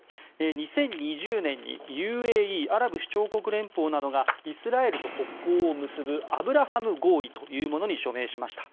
２０２０年にＵＡＥ・アラブ首長国連邦などがイスラエルを国交を結ぶアブラハム合意というものに署名しました。